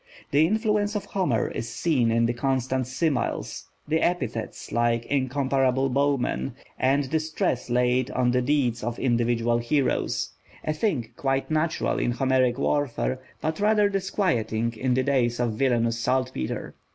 The influence of Homer is seen in the constant similes, the epithets like "incomparable bowman," and the stress laid on the deeds of individual heroes; a thing quite natural in Homeric warfare, but rather disquieting in the days of villainous saltpetre.